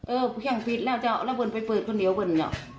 เออเครื่องปิดแล้วเจ้าแล้วพุนไปเปิดคนเดียวพุน